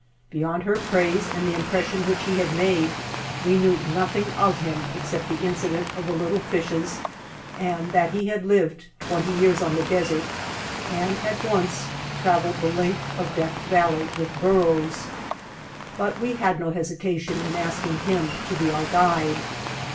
Beyond her praise and the impression which he made we knew nothing of him except the incident of the little fishes and that he had lived twenty years on the desert and had once traveled the length of Death Valley with burros; but we had no hesitation in asking him to be our guide.